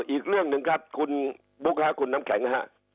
อีกเรื่องหนึ่งครับคุณบุ๊คคุณน้ำแข็งฮะ